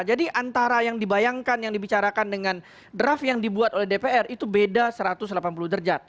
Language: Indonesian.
jadi antara yang dibayangkan yang dibicarakan dengan draft yang dibuat oleh dpr itu beda satu ratus delapan puluh derjat